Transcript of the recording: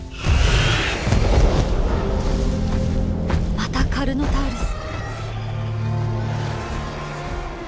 またカルノタウルス。